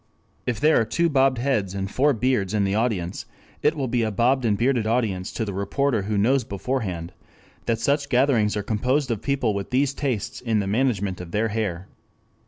If there are two bobbed heads and four beards in the audience, it will be a bobbed and bearded audience to the reporter who knows beforehand that such gatherings are composed of people with these tastes in the management of their hair.